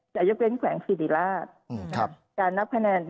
จะยกเว้นแขวงสิริราชอืมครับการนับคะแนน